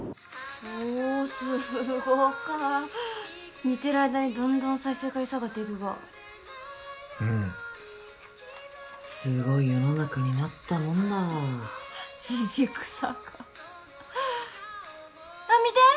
おおーすごか見てる間にどんどん再生回数上がっていくがうんすごい世の中になったもんだジジくさかあっ見て！